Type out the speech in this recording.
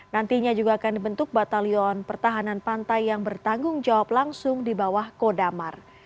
nantinya juga akan dibentuk batalion pertahanan pantai yang bertanggung jawab langsung di bawah kodamar